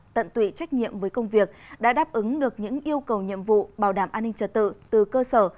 tận tụy trách nhiệm với công việc đã đáp ứng được những yêu cầu nhiệm vụ bảo đảm an ninh trật tự từ cơ sở